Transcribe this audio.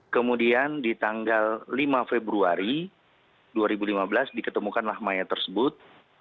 kemudian di tanggal lima februari dua ribu lima belas diketemukanlah mayat tersebut